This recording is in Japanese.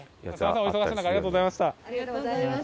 お忙しい中ありがとうございました。